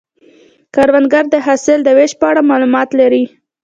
کروندګر د حاصل د ویش په اړه معلومات لري